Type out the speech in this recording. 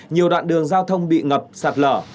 nhiều đoạn đường giao thông bị ngập sạt lở